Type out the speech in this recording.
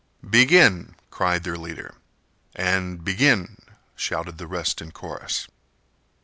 "Begin!" cried their leader, and "Begin!" shouted the rest in chorus.